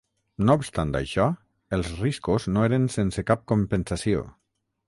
No obstant això, els riscos no eren sense cap compensació.